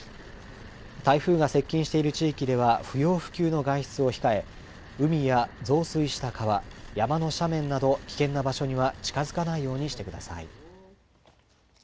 台風が接近している地域では、不要不急の外出を控え、海や増水した川、山の斜面など、危険な場所には近づかないようにしてください。